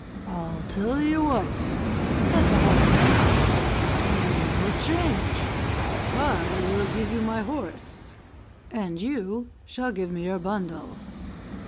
"I'll tell you what," said the horseman, "we will change. I will give you my horse, and you shall give me your bundle."